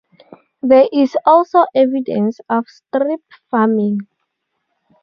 There is also evidence of strip farming.